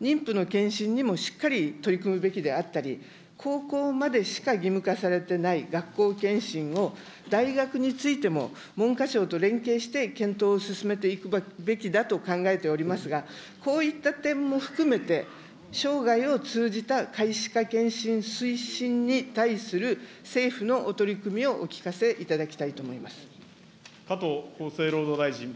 妊婦の健診にもしっかり取り組むべきであったり、高校までしか義務化されていない学校健診を、大学についても文科省と連携して検討を進めていくべきだと考えておりますが、こういった点も含めて、生涯を通じた皆歯科健診推進に対する政府のお取り組みをお聞かせ加藤厚生労働大臣。